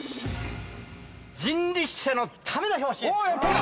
◆人力車のための標識。